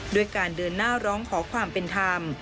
ด้วยการเดินหน้าร้องขอความเป็นธรรม